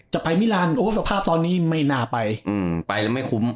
ไปมิลานโอ้สภาพตอนนี้ไม่น่าไปไปแล้วไม่คุ้ม